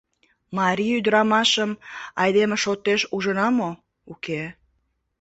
Марий ӱдырамашым айдеме шотеш ужына мо, уке?